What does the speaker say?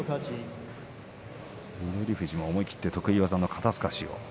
富士も思い切って得意技の肩すかしを。